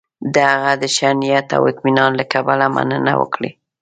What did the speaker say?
د هغه د ښه نیت او اطمینان له کبله مننه وکړي.